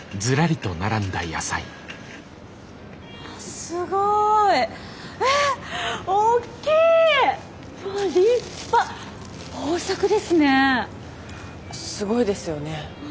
すごいですよね。